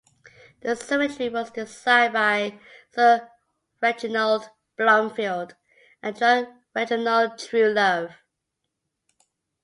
The cemetery was designed by Sir Reginald Blomfield and John Reginald Truelove.